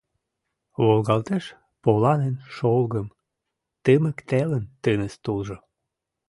Волгалтеш поланын шолгым — Тымык телын тыныс тулжо.